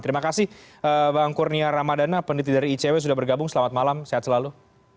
terima kasih bang kurnia ramadana peneliti dari icw sudah bergabung selamat malam sehat selalu